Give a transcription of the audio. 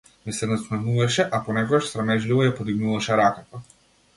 Ми се насмевнуваше, а понекогаш срамежливо ја подигнуваше раката.